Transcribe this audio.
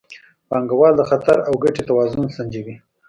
پانګوال د خطر او ګټې توازن سنجوي.